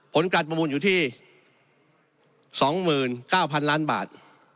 ผลการประมูลอยู่ที่๒๙๐๐ล้านบาท